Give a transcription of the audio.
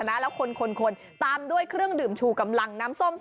แล้วคลนคลมด้วยเครื่องหนึ่มชูกำลัง